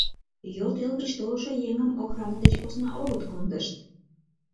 Йот эл гыч толшо еҥым охрана деч посна огыт кондышт.